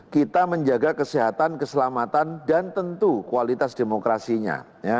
kita menjaga kesehatan keselamatan dan tentu kualitas demokrasinya